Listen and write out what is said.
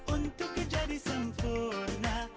untuk kejadi sempurna